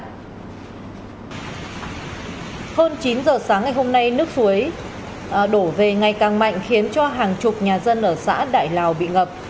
hơn chín giờ sáng ngày hôm nay nước suối đổ về ngày càng mạnh khiến cho hàng chục nhà dân ở xã đại lào bị ngập